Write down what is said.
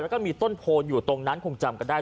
แล้วก็มีต้นโพอยู่ตรงนั้นคงจำกันได้